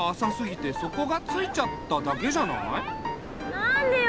何でよ。